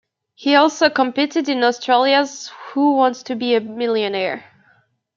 He also competed in Australia's Who Wants to Be a Millionaire?